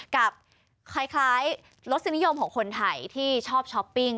กับคล้ายรสนิยมของคนไทยที่ชอบช้อปปิ้ง